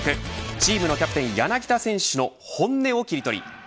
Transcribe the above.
チームのキャプテン柳田選手の本音をキリトリ。